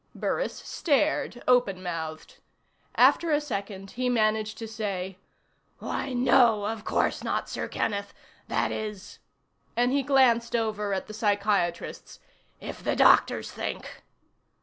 Burris stared, openmouthed. After a second he managed to say: "Why, no, of course not, Sir Kenneth. That is " and he glanced over at the psychiatrists "if the doctors think...."